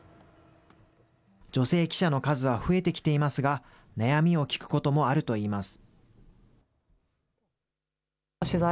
女性記者の数は増えてきていますが、悩みを聞くこともあるといいます。